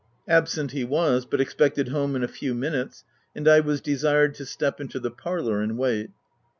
Absent he was, but expected home in a few OF WILDFELL HALL. 229 minutes ; and I was desired to step into the parlour and wait.